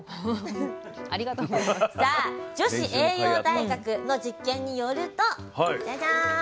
さあ女子栄養大学の実験によるとジャジャーン。